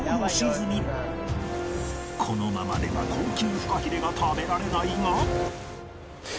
このままでは高級フカヒレが食べられないが